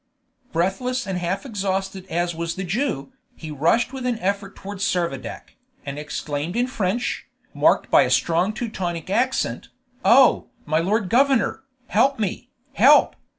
Breathless and half exhausted as was the Jew, he rushed with an effort towards Servadac, and exclaimed in French, marked by a strong Teutonic accent, "Oh, my lord governor, help me, help!